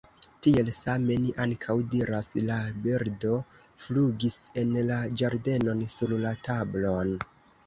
Tiel same ni ankaŭ diras «la birdo flugis en la ĝardenon, sur la tablon».